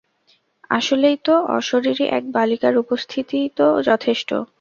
আসলেই তো, অশরীরী এক বালিকার উপস্থিতিই তো যথেষ্ট।